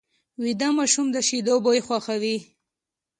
ویده ماشوم د شیدو بوی خوښوي